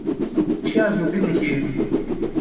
Tja, so bin ich eben.